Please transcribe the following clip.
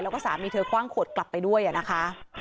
แล้วก็สามีเธอคว่างขวดกลับไปด้วยนะคะ